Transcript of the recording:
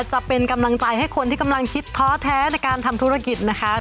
จะเป็นกำลังใจให้คนที่กำลังคิดท้อแท้ในการทำธุรกิจนะคะ